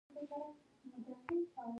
اورېدل د معرفت دروازه ده.